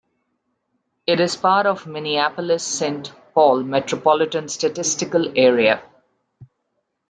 It is part of Minneapolis St.Paul metropolitan statistical area.